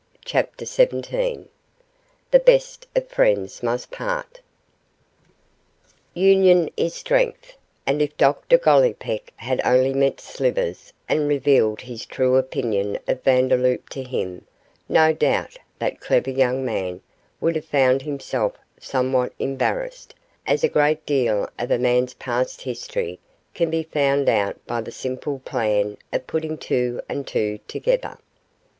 CHAPTER XVII THE BEST OF FRIENDS MUST PART Union is strength, and if Dr Gollipeck had only met Slivers and revealed his true opinion of Vandeloup to him, no doubt that clever young man would have found himself somewhat embarrassed, as a great deal of a man's past history can be found out by the simple plan of putting two and two together.